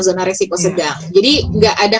zona risiko sedang jadi nggak ada